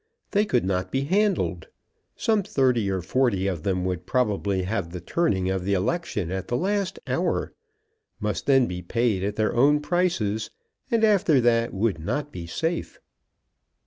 They could not be handled. Some thirty or forty of them would probably have the turning of the election at the last hour, must then be paid at their own prices, and after that would not be safe!